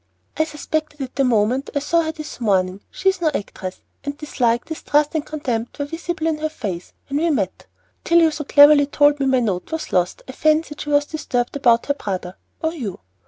"I suspected it the moment I saw her this morning. She is no actress; and dislike, distrust, and contempt were visible in her face when we met. Till you so cleverly told me my note was lost, I fancied she was disturbed about her brother or you."